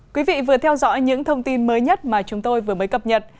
quý vị vừa theo dõi những thông tin mới nhất mà chúng tôi vừa mới cập nhật